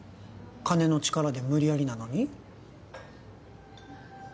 金の力で無理やりなのに？